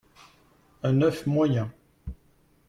un oeuf moyen